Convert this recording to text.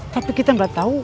tapi kita engga tau